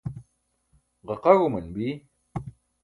ġaqaẏauman bi